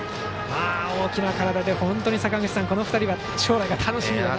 大きな体で本当にこの２人は将来が楽しみですね。